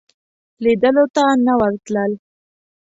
لیدلو ته نه ورتلل.